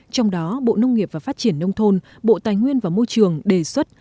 trong đó bộ nông nghiệp và phát triển nông thôn bộ tài nguyên và môi trường đề xuất